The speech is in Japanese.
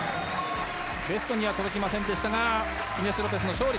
ベストには届きませんでしたがヒネス・ロペスの勝利。